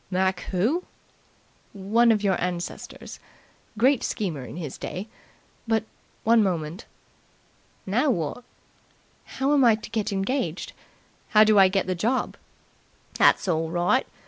"Mac Who?" "One of your ancestors. Great schemer in his day. But, one moment." "Now what?" "How am I to get engaged? How do I get the job?" "That's orl right.